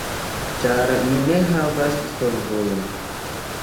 Ĉar ni ne havas solvojn.